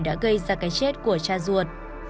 đã gây ra cái chết của cha ruột